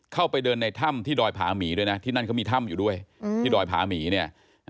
เข้าไปเดินในถ้ำที่ดอยผาหมีด้วยนะที่นั่นเขามีถ้ำอยู่ด้วยที่ดอยผาหมีเนี่ย